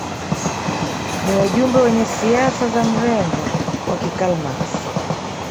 Ni wajumbe wenye siasa za mrengo wa ki Karl Marx